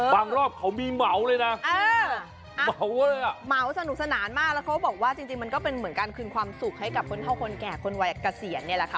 รอบเขามีเหมาเลยนะเหมาเลยอ่ะเหมาสนุกสนานมากแล้วเขาบอกว่าจริงมันก็เป็นเหมือนการคืนความสุขให้กับคนเท่าคนแก่คนวัยเกษียณเนี่ยแหละค่ะ